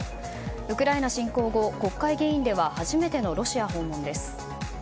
ウクライナ侵攻後、国会議員では初めてのロシア訪問です。